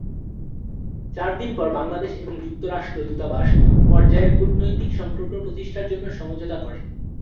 চার দিন পর, বাংলাদেশ এবং যুক্তরাষ্ট্র দূতাবাস পর্যায়ের কূটনৈতিক সম্পর্ক প্রতিষ্ঠার জন্য সমঝোতা করে।